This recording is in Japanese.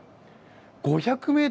５００ｍ